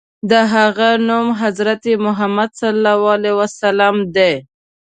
د هغه نوم حضرت محمد ص دی.